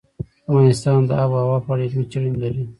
افغانستان د آب وهوا په اړه علمي څېړنې لري.